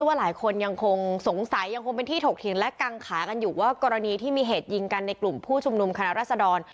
ว่าหลายคนยังคงสงสัยยังคงเป็นที่ถกเถียงและกังขากันอยู่ว่ากรณีที่มีเหตุยิงกันในกลุ่มผู้ชุมนุมคณะรัศดร